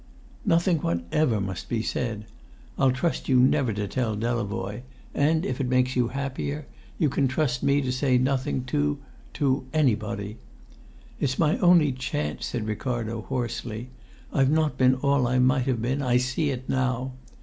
"Nothing whatever must be said. I'll trust you never to tell Delavoye, and, if it makes you happier, you can trust me to say nothing to to anybody. It's my only chance," said Ricardo, hoarsely. "I've not been all I might have been. I see it now.